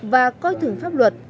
và coi thử pháp luật